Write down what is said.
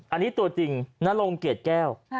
อันนี้ตัวจริงนรงเกียรติแก้ว